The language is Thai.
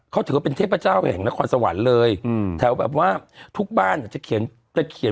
เขาถือว่าเป็นเทพเจ้าแห่งนครสวรรค์เลยแถวแบบว่าทุกบ้านจะเขียนจะเขียน